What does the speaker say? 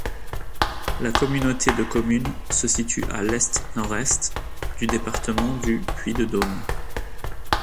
La communauté de communes se situe à l'est-nord-est du département du Puy-de-Dôme.